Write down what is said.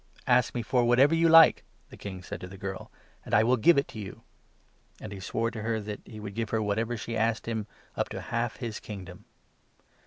' Ask me for whatever you like,' the King said to the girl, ' and I will give it to you '; and he swore to her that 23 he would give her whatever she asked him — up to half his kingdom.